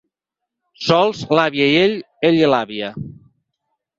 Sols, l'àvia i ell, ell i l'àvia.